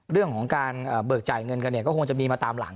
เรื่องของการเบิกจ่ายเงินกันเนี่ยก็คงจะมีมาตามหลัง